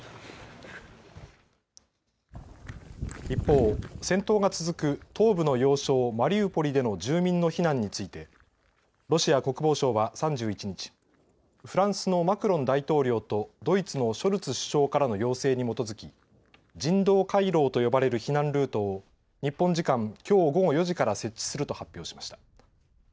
一方、戦闘が続く東部の要衝マリウポリでの住民の避難についてロシア国防省は３１日、フランスのマクロン大統領とドイツのショルツ首相からの要請に基づき人道回廊と呼ばれる避難ルートを日本時間きょう午後４時から設置すると発表しました。